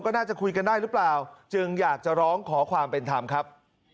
น่าจะคุยกันได้หรือเปล่าจึงอยากจะร้องขอความเป็นธรรมครับ